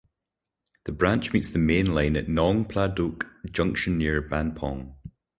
The branch meets the main line at Nong Pla Duk Junction near Ban Pong.